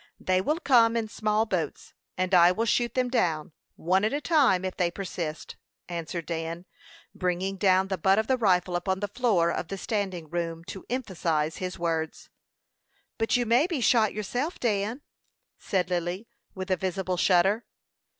They will come in small boats, and I will shoot them down, one at a time, if they persist," answered Dan, bringing down the butt of the rifle upon the floor of the standing room to emphasize his words. "But you may be shot, yourself, Dan," said Lily, with a visible shudder.